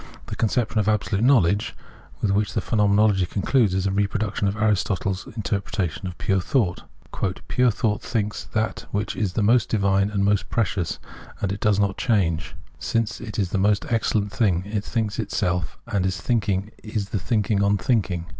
* The conception of "Absolute Knowledge" with wliich the Phenomenology concludes is a reproduction of Aris totle's interpretation of pure thought. " Pure thought thinks that which is the most divine and most precious, and it does not change. ... Since it is the most excellent thing, it thinli;s itself, and its thinking is the thinking on thitiking.